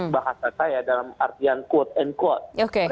bahasa saya dalam artian quote and quote